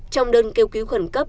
trong đơn kêu cứu khẩn cấp